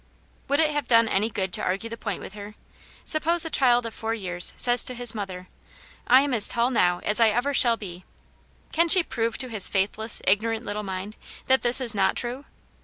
Would it have done any good to argue the point with her ? Suppose a child of four years says to his mother, "I am as tall now as I ever shall be," can she prove to his faithless, ignorant little mind that this is not true